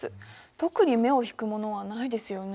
特に目を引くものはないですよね。